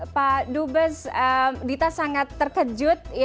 pak dubes dita sangat terkejut